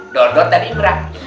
dondot dan imrah